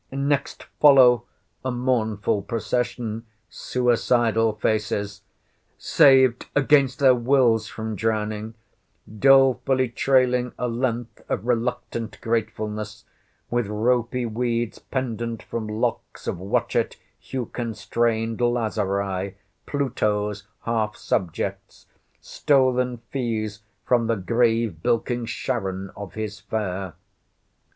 Next follow—a mournful procession—suicidal faces, saved against their wills from drowning; dolefully trailing a length of reluctant gratefulness, with ropy weeds pendant from locks of watchet hue constrained Lazari—Pluto's half subjects—stolen fees from the grave bilking Charon of his fare.